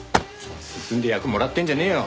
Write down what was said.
進んで役もらってんじゃねえよ！